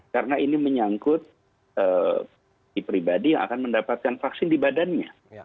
karena ini menyangkut si pribadi yang akan mendapatkan vaksin di badannya